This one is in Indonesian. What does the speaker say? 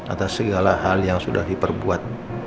atas segala hal yang sudah diperbuat